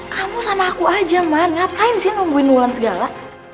kamu sama aku aja ma ngapain sih nungguin mulan segala